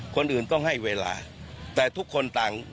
คนอื่นต้องให้เวลาแต่ทุกคนต่าง